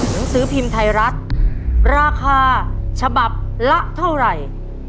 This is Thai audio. หนังสือพิมพ์ไทยรัฐราคาฉบับละเท่าไหร่